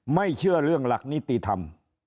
ไม่เชื่อเรื่องหลักนิติธรรม